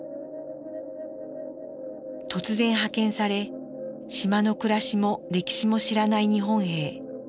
突然派遣され島の暮らしも歴史も知らない日本兵。